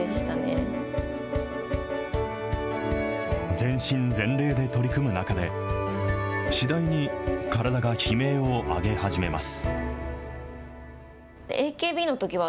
全身全霊で取り組む中で、次第に体が悲鳴を上げ始めます。